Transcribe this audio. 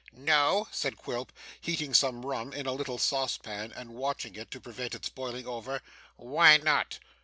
'No?' said Quilp, heating some rum in a little saucepan, and watching it to prevent its boiling over. 'Why not?